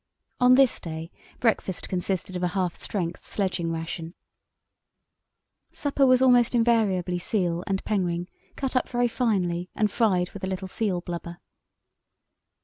On this day breakfast consisted of a half strength sledging ration. Supper was almost invariably seal and penguin, cut up very finely and fried with a little seal blubber.